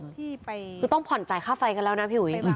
คือต้องผ่อนจ่ายค่าไฟกันแล้วนะพี่อุ๋ย